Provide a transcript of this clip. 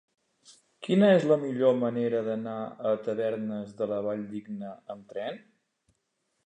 Quina és la millor manera d'anar a Tavernes de la Valldigna amb tren?